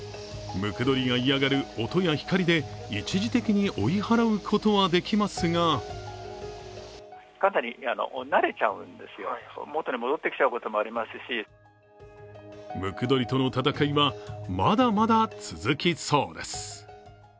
ムクドリが嫌がる音や光で一時的に追い払うことはできますがムクドリとの戦いはまだまだ続きそうです。